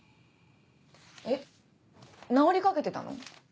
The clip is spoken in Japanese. えっ？治りかけてたの？